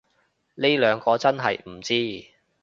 呢兩個真係唔知